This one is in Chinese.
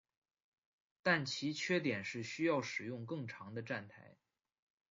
但其缺点是需要使用更长的站台。